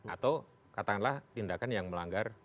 atau katakanlah tindakan yang melanggar